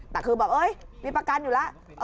แต่คือแบบเอ้ยมีประกันอยู่แล้ว